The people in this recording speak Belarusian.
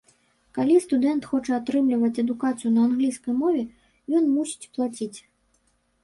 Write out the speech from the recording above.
Калі студэнт хоча атрымліваць адукацыю на англійскай мове, ён мусіць плаціць.